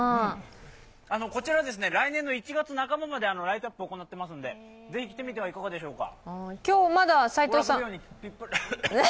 こちら、来年１月半ばまでライトアップを行っていますので、ぜひ、来てみてはいかがでしょうか？